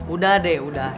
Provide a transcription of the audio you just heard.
udah deh udah